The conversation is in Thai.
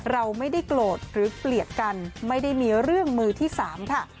เราไม่ได้โกรธหรือเกลียดกันไม่ได้มีเรื่องมือที่สามค่ะ